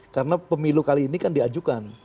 karena pemilu kali ini kan diajukan